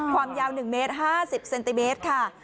ความยาว๑เมตร๕๐เซนติเมตรค่ะ